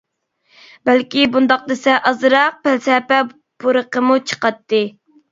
بەلكى بۇنداق دېسە ئازراق پەلسەپە پۇرىقىمۇ چىقاتتى.